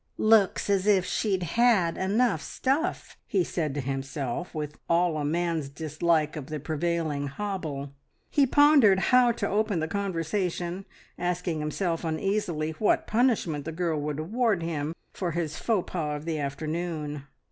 "Looks as if she'd had enough stuff!" he said to himself, with all a man's dislike of the prevailing hobble. He pondered how to open the conversation, asking himself uneasily what punishment the girl would award him for his faux pas of the afternoon.